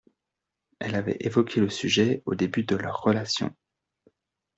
Elle avait évoqué le sujet au début de leur relation.